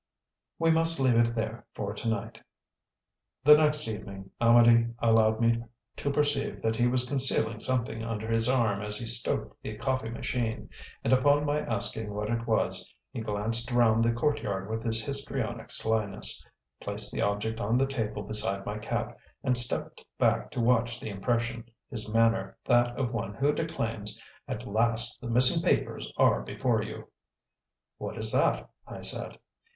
"We must leave it there for to night." The next evening Amedee allowed me to perceive that he was concealing something under his arm as he stoked the coffee machine, and upon my asking what it was, he glanced round the courtyard with histrionic slyness, placed the object on the table beside my cap, and stepped back to watch the impression, his manner that of one who declaims: "At last the missing papers are before you!" "What is that?" I said.